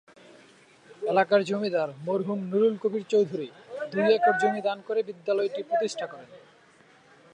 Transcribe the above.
এলাকার জমিদার মরহুম নুরুল কবির চৌধুরী দুই একর জমি দান করে বিদ্যালয়টি প্রতিষ্ঠা করেন।